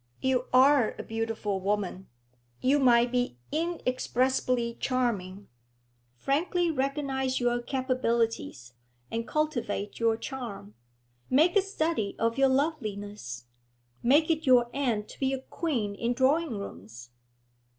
You are a beautiful woman; you might be inexpressibly charming. Frankly recognise your capabilities, and cultivate your charm. Make a study of your loveliness; make it your end to be a queen in drawing rooms.'